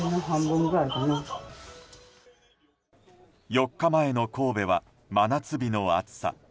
４日前の神戸は真夏日の暑さ。